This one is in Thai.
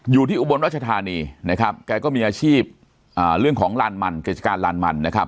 อยู่ที่อุบสรรค์ราชธานีนะครับแกก็มีอาชีพเลือกของกิจการลานมันนะครับ